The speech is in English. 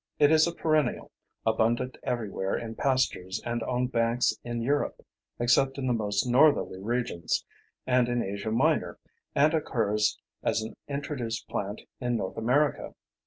It is a perennial, abundant everywhere in pastures and on banks in Europe, except in the most northerly regions, and in Asia Minor, and occurs as an introduced plant in North America.